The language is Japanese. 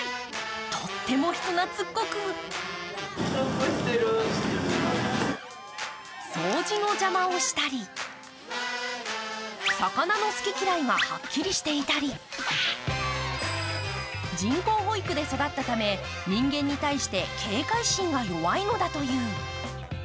とっても人なつっこく掃除の邪魔をしたり、魚の好き嫌いがはっきりしていたり人工哺育で育ったため、人間に対して警戒心が弱いのだという。